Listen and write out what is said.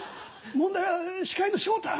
問題は司会の昇太